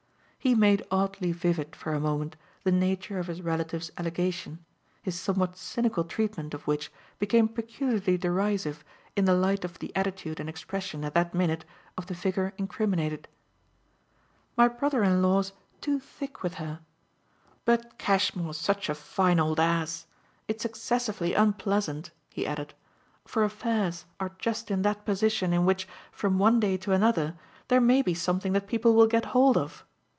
He made oddly vivid for a moment the nature of his relative's allegation, his somewhat cynical treatment of which became peculiarly derisive in the light of the attitude and expression, at that minute, of the figure incriminated. "My brother in law's too thick with her. But Cashmore's such a fine old ass. It's excessively unpleasant," he added, "for affairs are just in that position in which, from one day to another, there may be something that people will get hold of.